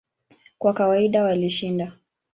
Kwa kawaida walishinda.